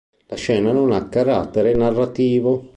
La scena non ha carattere narrativo.